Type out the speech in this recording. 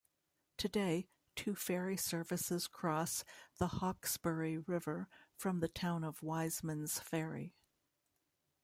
Today, two ferry services cross the Hawkesbury River from the town of Wisemans Ferry.